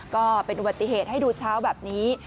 ก็เป็นอุบัติเหตุให้ดูเช้าแบบนี้